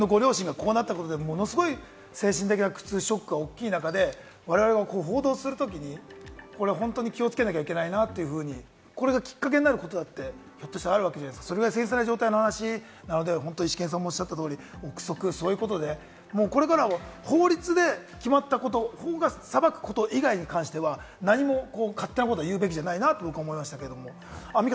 ただでさえ自分のご両親がこうなったことで、ものすごい精神的な苦痛、ショックが大きい中で、我々は報道するときに気をつけなきゃいけないなというふうに、これがきっかけになることだってひょっとしたらあるわけじゃないですか、それぐらい繊細な状態ですから、臆測、そういうことで、これからは法律で決まったこと、法が裁くこと以外に関しては何も勝手なことは言うべきじゃないなと僕は思いました。